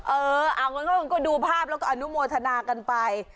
เออเอางั้นก็ดูภาพแล้วก็อนุโมทนากันไป